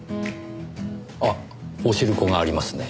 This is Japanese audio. あっおしるこがありますね。